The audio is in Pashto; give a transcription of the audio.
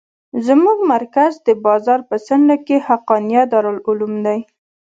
زموږ مرکز د بازار په څنډه کښې حقانيه دارالعلوم دى.